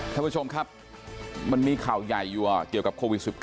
ท่านผู้ชมครับมันมีข่าวใหญ่อยู่เกี่ยวกับโควิด๑๙